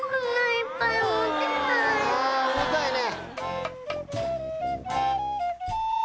あぁ重たいね。